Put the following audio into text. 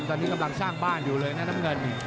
ตอนนี้กำลังสร้างบ้านอยู่เลยนะน้ำเงิน